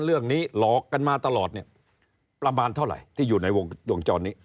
เรื่องนี้หลอกกันมาตลอดประมาณเท่าไหร่ที่อยู่ในวงจรนี้